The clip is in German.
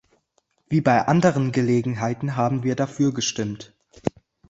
Wie bei anderen Gelegenheiten haben wir dafür gestimmt.